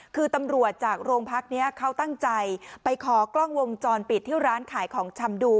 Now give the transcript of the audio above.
คือตำรวจจากโรงพักนี้เขาตั้งใจไปขอกล้องวงจรปิดที่ร้านขายของชำดู